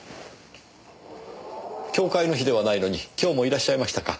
教誨の日ではないのに今日もいらっしゃいましたか。